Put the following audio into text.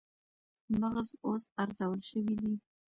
مغز اوس ارزول شوی دی